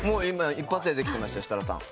一発でできてましたよ、設楽さん。